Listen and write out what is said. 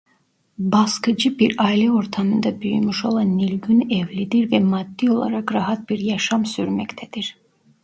Baskıcı bir aile ortamında büyümüş olan Nilgün evlidir ve maddi olarak rahat bir yaşam sürmektedir.